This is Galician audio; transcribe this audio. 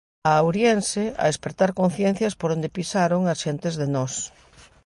A Auriense, a espertar conciencias por onde pisaron as xentes de Nós.